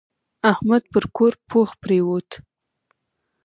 احمد پر کور پوخ پرېوت.